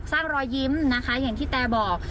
สร้างรอยยิ้มนะคะเหมือนที่แตบอก